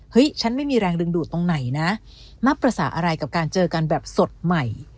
ฉันไม่มีแรงดึงดูดตรงไหนนะนับภาษาอะไรกับการเจอกันแบบสดใหม่